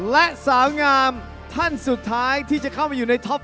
และสาวงามท่านสุดท้ายที่จะเข้ามาอยู่ในท็อป